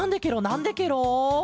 なんでケロ？